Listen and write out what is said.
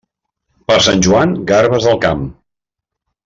Per Sant Joan, garbes al camp.